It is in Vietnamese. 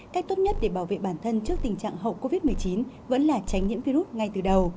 cách tốt nhất để bảo vệ bản thân trước tình trạng hậu covid một mươi chín vẫn là tránh nhiễm virus ngay từ đầu